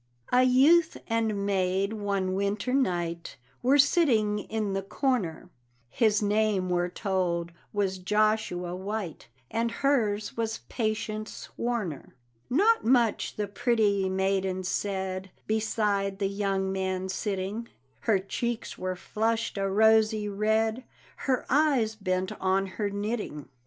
A youth and maid, one winter night, Were sitting in the corner; His name, we're told, was Joshua White, And hers was Patience Warner. Not much the pretty maiden said, Beside the young man sitting; Her cheeks were flushed a rosy red, Her eyes bent on her knitting.